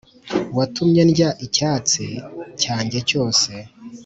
watumye ndya icyatsi cyanjye cyose